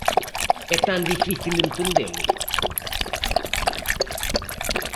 ¿É tan difícil entendelo?